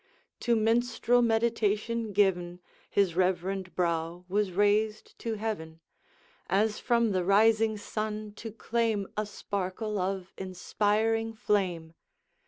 To minstrel meditation given, His reverend brow was raised to heaven, As from the rising sun to claim A sparkle of inspiring flame.